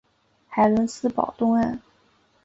海伦斯堡东岸。